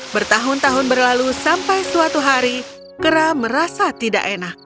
bertahun tahun berlalu sampai suatu hari kera merasa tidak enak